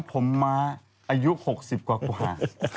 ผมมาอายุหกสิบกว่ากว่า